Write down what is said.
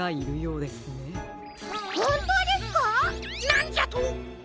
なんじゃと？